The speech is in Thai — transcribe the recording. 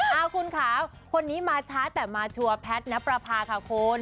เอาคุณค่ะคนนี้มาช้าแต่มาชัวร์แพทย์นับประพาค่ะคุณ